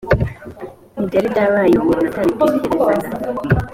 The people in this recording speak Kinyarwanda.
n ibyari byabaye umuntu atabitekerezaga